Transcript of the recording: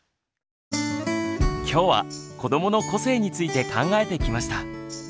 きょうは「子どもの個性」について考えてきました。